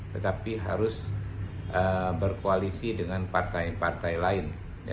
tetapi harus berkoalisi dengan partai partai lain